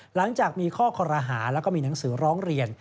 หลังจากมีข้อคอรหาแล้วก็มีหนังสือร้องเรียน